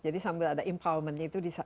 jadi sambil ada empowerment itu disaat